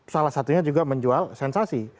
salah satunya juga menjual sensasi